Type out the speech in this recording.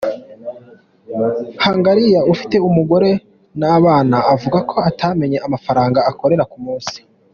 Hangariya, ufite umugore n’abana, avuga ko atamenya amafaranga akorera ku munsi.